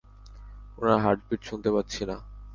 উনার হার্টবিট শুনতে পাচ্ছি না।